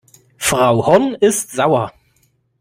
Frau Horn ist sauer.